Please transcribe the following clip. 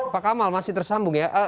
pak kamal masih tersambung ya